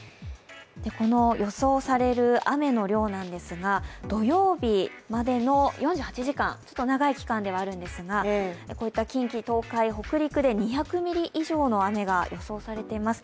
この予想される雨の量なんですが土曜日までの４８時間、長い期間ではあるんですがこういった近畿、東海、北陸で２００ミリ以上の雨が予想されています。